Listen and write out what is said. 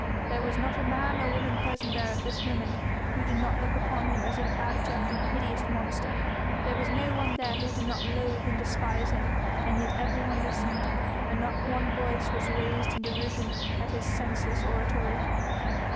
There was not a man or woman present there at this moment who did not look upon him as an abject and hideous monster, there was no one there who did not loathe and despise him! And yet everyone listened, and not one voice was raised in derision at his senseless oratory.